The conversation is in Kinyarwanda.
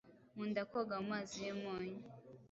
Nkunda koga mumazi yumunyu.